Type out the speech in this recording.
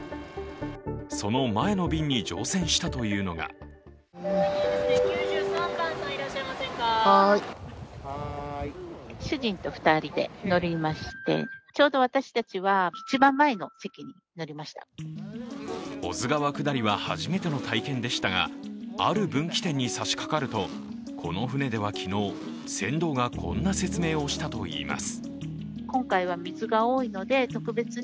その前の便に乗船したというのが保津川下りは初めての体験でしたが、ある分岐点に差しかかるとこの舟では昨日、船頭がこんな説明をしたといいます。